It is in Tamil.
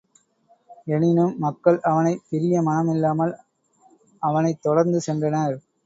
எனினும் மக்கள் அவனைப் பிரிய மனமில்லாமல், அவனைத் தொடர்ந்து சென்றனர்.